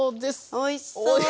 おいしそうです！